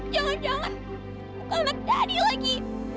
jangan jangan aku amat daddy lagi